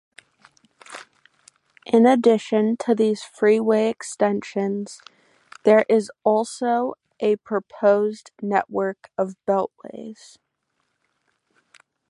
In addition to these freeway extensions, there is also a proposed network of beltways.